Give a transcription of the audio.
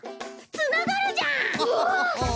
つながるじゃん！